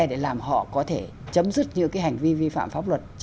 để làm họ có thể chấm dứt những cái hành vi vi phạm pháp luật